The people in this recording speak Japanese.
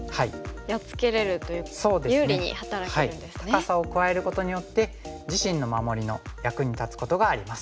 高さを加えることによって自身の守りの役に立つことがあります。